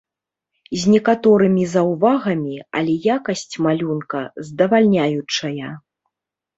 З некаторымі заўвагамі, але якасць малюнка здавальняючая.